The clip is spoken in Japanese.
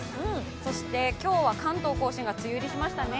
そして今日は関東甲信が梅雨入りしましたね。